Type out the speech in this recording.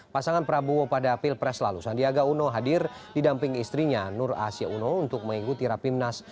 pasangan prabowo pada pilpres lalu sandiaga uno hadir didamping istrinya nur asia uno untuk mengikuti rapimnas